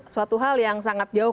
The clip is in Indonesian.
suatu hal yang sangat jauh